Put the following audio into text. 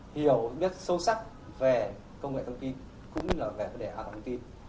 hiểu biết sâu sắc về công nghệ thông tin cũng như là về vấn đề hạ tổng tin